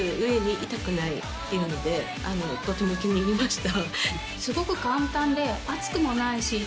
とても気に入りました。